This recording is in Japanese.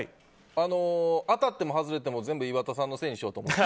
当たっても外れても岩田さんのせいにしようと思って。